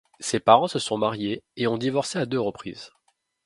Ses parents se sont mariés et ont divorcé à deux reprises.